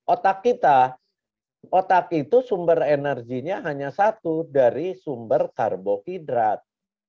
otak kita otak itu sumber energinya hanya satu dari sumber karbohidrat